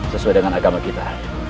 sesuai dengan agama kita